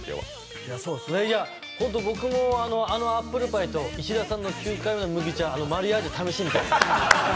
僕もあのアップルパイと石田さんの９回目の麦茶のマリアージュを試してみたいです。